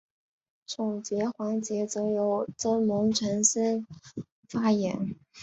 总结环节则由曾荫权先发言。